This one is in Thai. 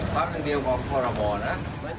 ปรับหนึ่งเดียวของคอลโลบอร์นะ